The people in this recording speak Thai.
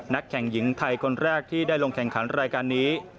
แข่งหญิงไทยคนแรกที่ได้ลงแข่งขันรายการนี้